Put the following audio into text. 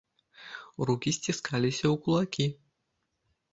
Рукі сціскаліся ў кулакі.